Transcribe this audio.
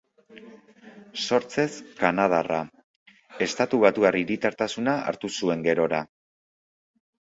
Sortzez kanadarra, estatubatuar hiritartasuna hartu zuen gerora.